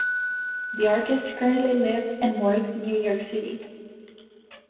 The artist currently lives and works in New York City.